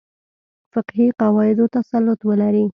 فقهي قواعدو تسلط ولري.